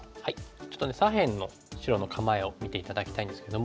ちょっとね左辺の白の構えを見て頂きたいんですけども。